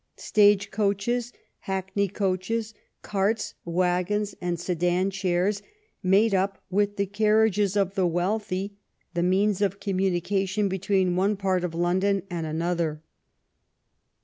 Stage coaches, hackney coaches, carts, wagons, and sedan chairs made up, with the carriages of the wealthy, the means of communication between one part of Lon don and another.